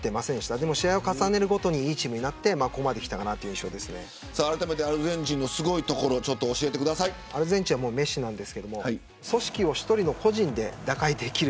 でも試合を重ねるごとにいいチームになってアルゼンチンのすごいところアルゼンチンはメッシですが組織を１人の個人で打開できる。